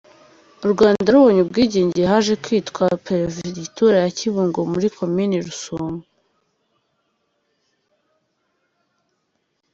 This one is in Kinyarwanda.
U Rwanda rubonye Ubwigenge haje kwitwa Perefegitura ya Kibungo muri Komini Rusumo.